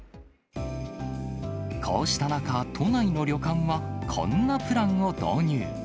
こうした中、都内の旅館はこんなプランを導入。